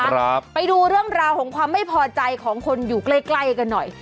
ครับไปดูเรื่องราวของความไม่พอใจของคนอยู่ใกล้ใกล้กันหน่อย